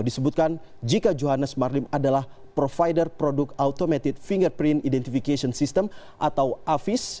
disebutkan jika johannes marlim adalah provider produk automated fingerprint identification system atau afis